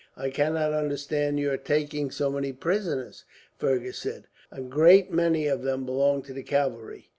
"I cannot understand your taking so many prisoners," Fergus said. "A great many of them belong to the cavalry.